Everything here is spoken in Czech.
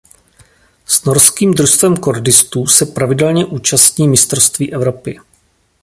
S norským družstvem kordistů se pravidelně účastní mistrovství Evropy.